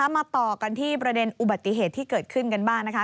มาต่อกันที่ประเด็นอุบัติเหตุที่เกิดขึ้นกันบ้างนะคะ